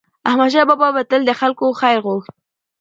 احمدشاه بابا به تل د خلکو خیر غوښت.